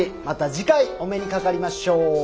また次回お目にかかりましょう。